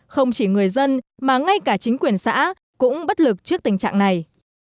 không chỉ người dân mà ngay cả chính quyền xã cũng bất lực trước tình trạng này